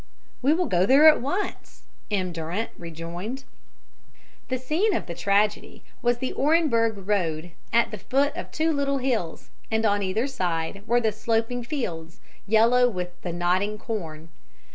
"We will go there at once," M. Durant rejoined. The scene of the tragedy was the Orenburg road, at the foot of two little hills; and on either side were the sloping fields, yellow with the nodding corn.